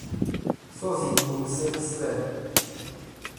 sozinho como sempre serei.